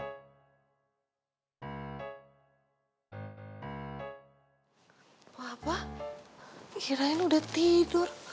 apa apa istilahnya udah tidur